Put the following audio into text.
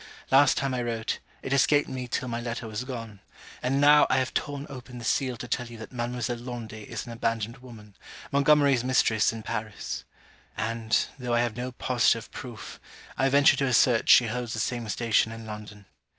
Last time I wrote, it escaped me till my letter was gone, and now I have torn open the seal to tell you that Mademoiselle Laundy is an abandoned woman, Montgomery's mistress in Paris; and, though I have no positive proof, I venture to assert she holds the same station in London.